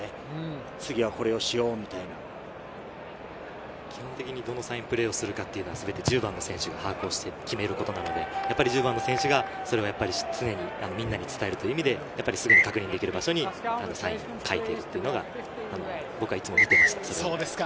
次はこれをどのサインプレーをするかは１０番の選手が把握をして決めることなので、１０番の選手が常にみんなに伝えるという意味で、すごく確認できる場所にサインをかいているというのが、僕はいつも見ていました。